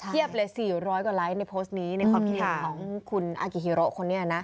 เลย๔๐๐กว่าไลค์ในโพสต์นี้ในความคิดเห็นของคุณอากิฮิโรคนนี้นะ